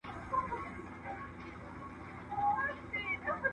که حضوري ښوونځی لري وي، نو وخت ضایع کېږي.